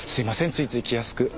ついつい気やすく。